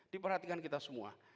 diperhatikan kita semua